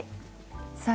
さあ